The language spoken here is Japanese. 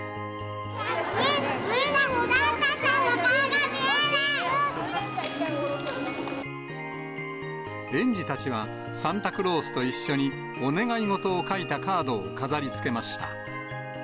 ねぇ、みんな、園児たちは、サンタクロースと一緒に、お願い事を書いたカードを飾りつけました。